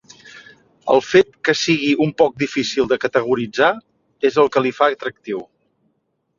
El fet que sigui un poc difícil de categoritzar és el que li fa atractiu.